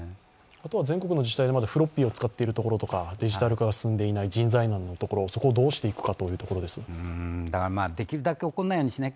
あとは全国の自治体でまだフロッピーを使っているところとか、デジタル化が進んでいない人材難のところをどうしていくか。